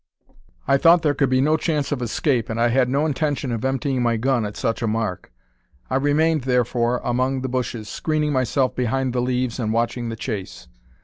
I thought there could be no chance of his escape, and I had no intention of emptying my gun at such a mark. I remained, therefore, among the bushes, screening myself behind the leaves and watching the chase.